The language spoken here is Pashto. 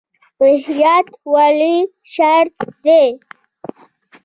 احتیاط ولې شرط دی؟